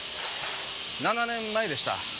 ７年前でした。